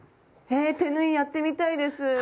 え手縫いやってみたいです！